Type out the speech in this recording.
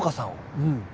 うん。